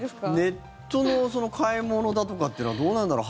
ネットの買い物だとかというのはどうなんだろう。